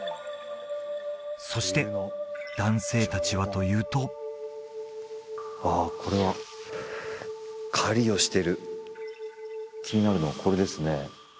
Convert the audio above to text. そして男性達はというとあっこれは狩りをしてる気になるのこれですね